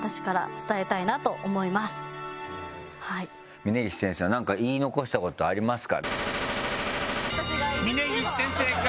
峯岸先生はなんか言い残した事ありますか？